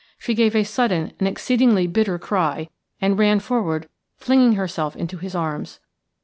She gave a sudden and exceedingly bitter cry, and ran forward, flinging herself into his arms.